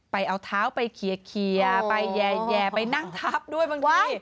ไปเอาเท้าไปเขียวไปแย่ไปนั่งทับด้วยบางที